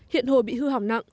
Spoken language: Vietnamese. hiện hồ bị hư hỏng